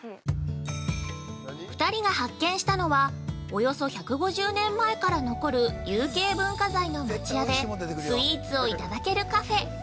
◆２人が発見したのはおよそ１５０年前から残る有形文化財の町屋でスイーツをいただけるカフェ。